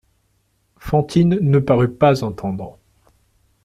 Fantine ne parut pas entendre.